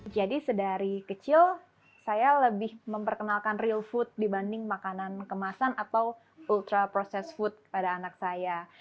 jadi sedari kecil saya lebih memperkenalkan real food dibanding makanan kemasan atau ultra processed food pada anak saya